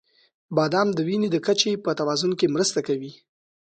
• بادام د وینې د کچې په توازن کې مرسته کوي.